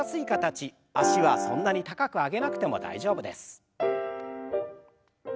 脚はそんなに高く上げなくても大丈夫です。